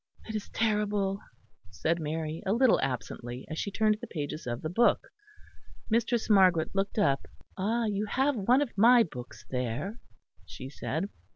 "It is terrible," said Mary, a little absently, as she turned the pages of the book. Mistress Margaret looked up. "Ah! you have one of my books there," she said.